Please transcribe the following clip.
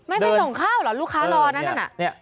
ไม่ไปส่งข้าวเหรอลูกค้ารอนะนั่นน่ะ